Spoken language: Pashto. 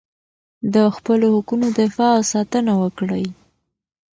د خپلو حقونو دفاع او ساتنه وکړئ.